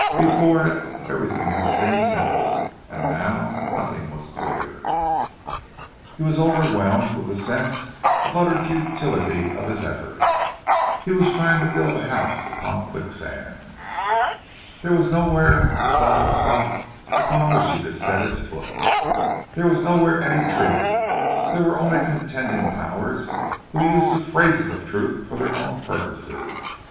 Before it everything had seemed simple; and now nothing was clear. He was overwhelmed with a sense of the utter futility of his efforts; he was trying to build a house upon quicksands. There was nowhere a solid spot upon which he could set his foot. There was nowhere any truth—there were only contending powers who used the phrases of truth for their own purposes!